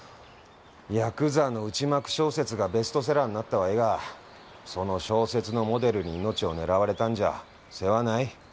やくざの内幕小説がベストセラーになったはええがその小説のモデルに命を狙われたんじゃ世話ない。